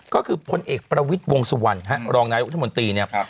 ก็คือพลเอกประวิทย์วงสุวรรณฮะรองนายุทธมนตรีเนี่ย